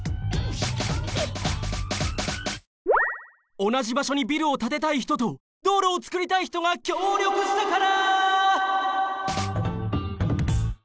おなじばしょにビルを建てたい人と道路を造りたい人が協力したから！